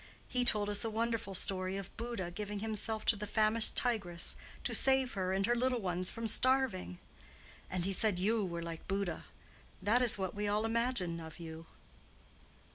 He told us a wonderful story of Buddha giving himself to the famished tigress to save her and her little ones from starving. And he said you were like Buddha. That is what we all imagine of you."